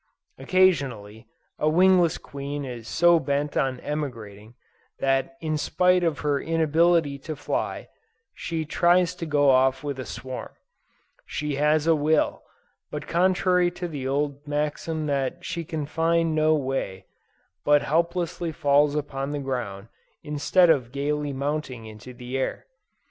Occasionally, a wingless queen is so bent on emigrating, that in spite of her inability to fly, she tries to go off with a swarm; she has "a will," but contrary to the old maxim she can find "no way," but helplessly falls upon the ground instead of gaily mounting into the air.